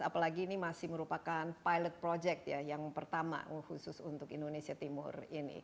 apalagi ini masih merupakan pilot project ya yang pertama khusus untuk indonesia timur ini